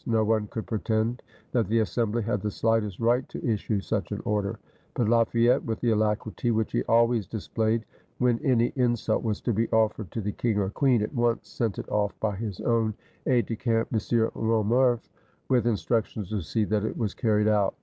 No one could pretend that the assembly had the slightest right to issue such an order; but Lafayette, with the alacrity which he always displayed when any insult was to be offered to the king or queen, at once sent it off by his own aide de camp, M. Romeuf, with instructions to see that it was carried out.